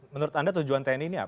menurut anda tujuan tni ini apa